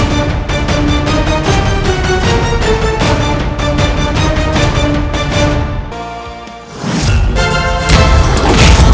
kau meremehkan aku